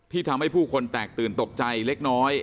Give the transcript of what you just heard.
ทำให้ผู้คนแตกตื่นตกใจเล็กน้อย